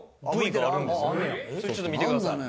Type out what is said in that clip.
ちょっと見てください。